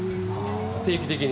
定期的に。